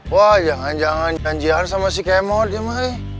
wah jangan jangan janjian sama si kemot ya ma